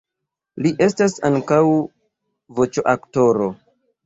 Li estas ankaŭ voĉoaktoro.